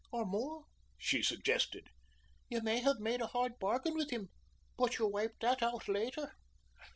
"Or more," she suggested. "You may have made a hard bargain with him, but you wiped that out later."